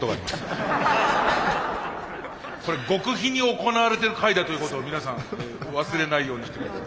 これ極秘に行われてる会だということを皆さん忘れないようにして下さい。